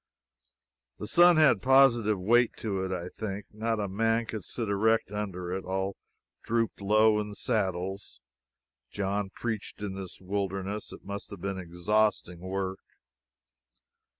The sun had positive weight to it, I think. Not a man could sit erect under it. All drooped low in the saddles. John preached in this "Wilderness!" It must have been exhausting work.